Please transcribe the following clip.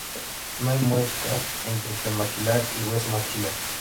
No hay muesca entre premaxilar y hueso maxilar.